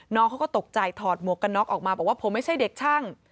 น้องเขาก็ตกใจถอดหมวกกันน็อกออกมาบอกว่าผมไม่ใช่เด็กช่าง